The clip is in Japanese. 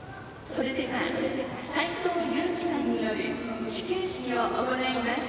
それでは、斎藤佑樹さんによる始球式を行います。